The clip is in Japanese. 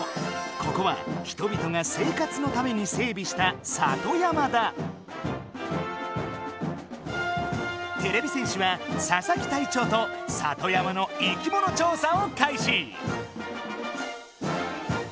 ここは人々が生活のためにせいびしたてれび戦士はささき隊長と里山の生きもの調査をかいし。